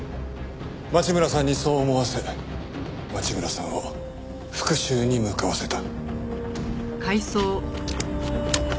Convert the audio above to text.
町村さんにそう思わせ町村さんを復讐に向かわせた。